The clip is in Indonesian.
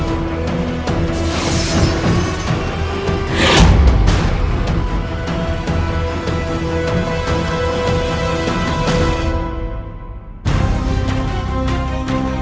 aku tak bisa letak diri kepadamu